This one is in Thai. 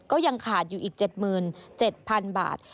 ก็ยังขาดอยู่อีก๗๗๐๐๐บาท